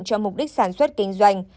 cho mục đích sản xuất kinh doanh